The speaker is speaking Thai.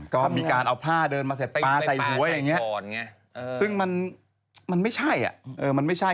ก็มีการเอาผ้าเดินมาเสร็จปลาใส่หัวอย่างนี้ซึ่งมันไม่ใช่อ่ะมันไม่ใช่